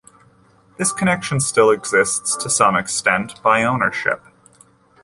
This connection still exists to some extent by ownership.